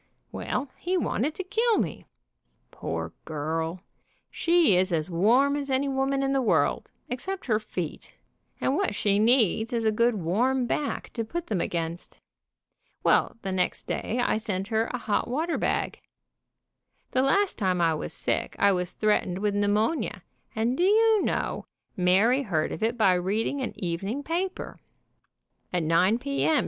Well, he wanted to kill me. Poor girl, she is as warm as any woman in the world, except her feet, and what she needs is a good warm back to put them against. Well, the next day I sent her a hot water bag. The last time I was sick I was threatened with pneumonia, and do you know, Mary heard of it by reading an evening paper. About 9 p. m.